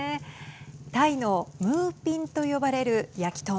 タイのムーピンと呼ばれる焼きとん。